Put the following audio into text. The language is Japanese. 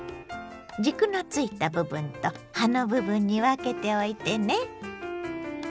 軸のついた部分と葉の部分に分けておいてね。